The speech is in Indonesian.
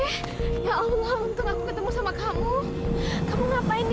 sampai jumpa di video selanjutnya